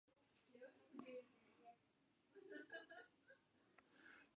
چې خېره پلار جانه